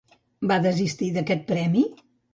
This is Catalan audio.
Va desistir d'aquest premi?